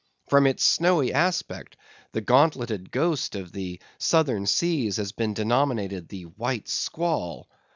From its snowy aspect, the gauntleted ghost of the Southern Seas has been denominated the White Squall.